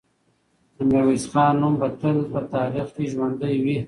د میرویس خان نوم به تل په تاریخ کې ژوندی وي.